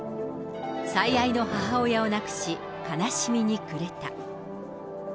最愛の母親を亡くし、悲しみに暮れた。